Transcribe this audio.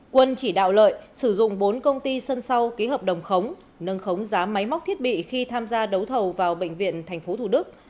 quân chỉ đạo lợi sử dụng bốn công ty sân sau ký hợp đồng khống nâng khống giá máy móc thiết bị khi tham gia đấu thầu vào bệnh viện tp thủ đức